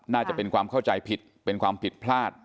น่าจะเป็นความเข้าใจผิดเป็นความผิดพลาด